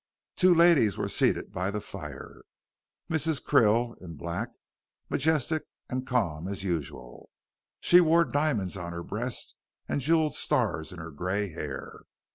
Two ladies were seated by the fire. Mrs. Krill in black, majestic and calm as usual. She wore diamonds on her breast and jewelled stars in her gray hair.